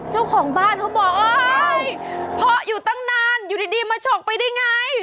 เจ้าของบ้านเขาบอกเอ้ยเพาะอยู่ตั้งนานอยู่ดีมาฉกไปได้ไง